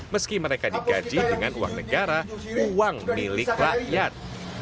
meski mereka digaji dengan uang negara uang milik rakyat